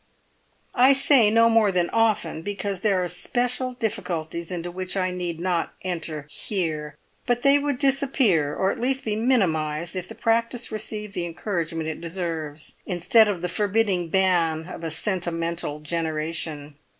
"I say no more than 'often' because there are special difficulties into which I need not enter here; but they would disappear, or at least be minimised, if the practice received the encouragement it deserves, instead of the forbidding ban of a sentimental generation.